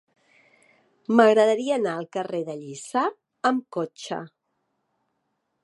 M'agradaria anar al carrer de Lliçà amb cotxe.